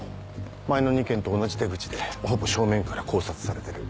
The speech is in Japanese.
前の２件と同じ手口でほぼ正面から絞殺されてる。